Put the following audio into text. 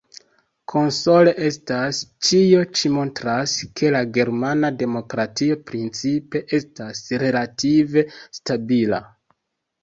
Konsole estas: ĉio ĉi montras, ke la germana demokratio principe estas relative stabila.